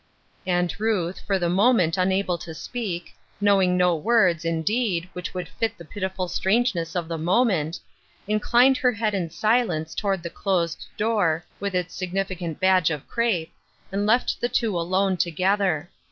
And Ruth, for the moment unable to speak, knowing no words, indeed, which would fit the pitiful strangeness of the moment, inclined her head in silence toward the closed door, with its significant badge of crepe, and left the two alone together.